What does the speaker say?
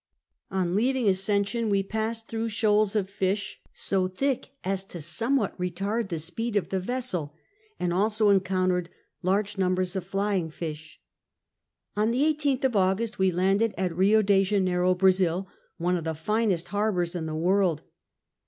On leaving Ascension we passed through shoals of fish so thick as to somewhat retard the speed of the vessel, and also encountered large numbers of fiying fish. On the 18th of August, we landed at Rio de Janeiro, Brazil, one of the finest harbors in the world.